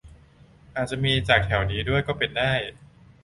อาจจะมาจากแถวนี้ด้วยก็เป็นได้